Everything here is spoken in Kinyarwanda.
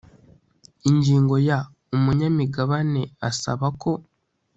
ingingo ya umunyamigabane asaba ko